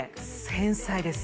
繊細です